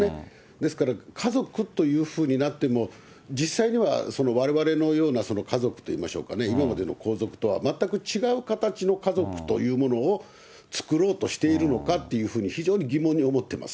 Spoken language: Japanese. ですから、家族というふうになっても、実際には、そのわれわれのような家族といいましょうかね、今までの皇族とは全く違う形の家族というものを作ろうとしているのかっていうふうに、非常に疑問に思ってます。